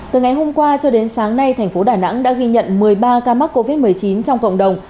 từ ngày hôm qua cho đến sáng nay thành phố đà nẵng đã ghi nhận một mươi ba ca mắc covid một mươi chín trong cộng đồng